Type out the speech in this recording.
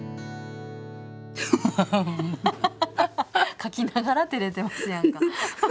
書きながらてれてますやんか。